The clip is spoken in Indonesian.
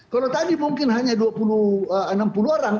kalau tadi mungkin hanya enam puluh orang itu sudah terselamatkan